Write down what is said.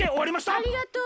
ありがとう。